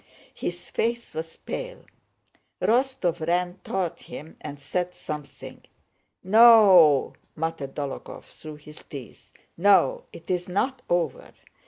His face was pale. Rostóv ran toward him and said something. "No o o!" muttered Dólokhov through his teeth, "no, it's not over."